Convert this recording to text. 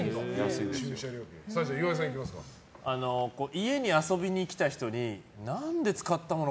家に遊びに来た人に何で使ったもの